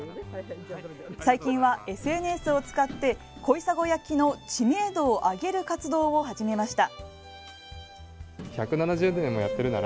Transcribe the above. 最近はＳＮＳを使って小砂焼の知名度を上げる活動を始めました。